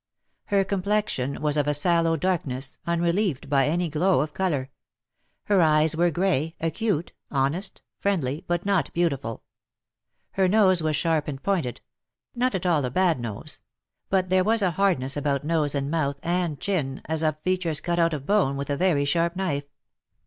Her com plexion was of a sallow darkness^ unrelieved by any glow of colour; her eyes were grey^ acute, honest,, friendly, but not beautiful; her nose was sharp and pointed — not at all a bad nose ; but there was a hardness about nose and mouth and chin, as of features cut out of bone with a very sharp knife.